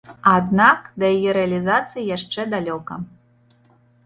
Аднак да яе рэалізацыі яшчэ далёка.